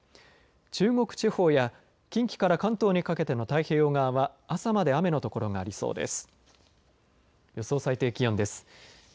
中国地方や近畿から関東にかけての太平洋側は朝まで雨の所がありそうです。